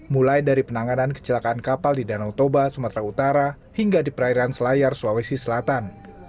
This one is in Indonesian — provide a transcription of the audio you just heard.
mulai dari penanganan kecelakaan kapal di danau toba sumatera utara hingga di perairan selayar sulawesi selatan